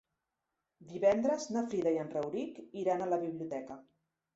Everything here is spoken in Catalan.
Divendres na Frida i en Rauric iran a la biblioteca.